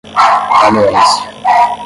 anuência